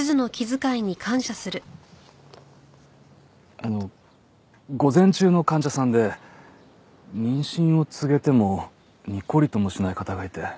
あの午前中の患者さんで妊娠を告げてもニコリともしない方がいて。